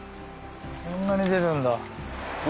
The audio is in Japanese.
こんなに出るんだ。